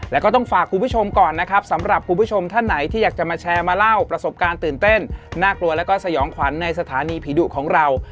แล้วก็ต้องฝากคุณผู้ชมก่อนนะครับสำหรับคุณผู้ชมท่านไหนที่อยากจะมาแชร์มาเล่าประสบการณ์ตื่นเต้นน่ากลัวแล้วก็สยองขวัญในสถานีผีดุของเรา